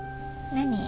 何？